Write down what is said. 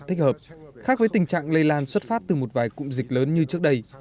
thích hợp khác với tình trạng lây lan xuất phát từ một vài cụm dịch lớn như trước đây